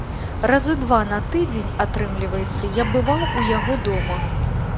Разы два на тыдзень, атрымліваецца, я бываў у яго дома.